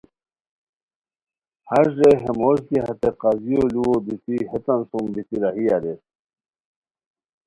ہݰ رے ہے موش دی ہتے قاضیو لوؤ دیتی ہیتان سوم بیتی راہی اریر